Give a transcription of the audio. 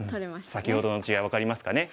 先ほどの違い分かりますかね。